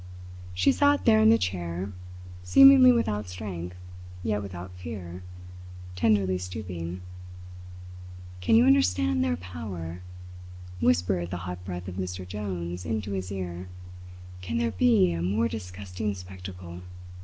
She sat there in the chair, seemingly without strength, yet without fear, tenderly stooping. "Can you understand their power?" whispered the hot breath of Mr. Jones into his ear. "Can there be a more disgusting spectacle?